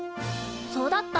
そうだった。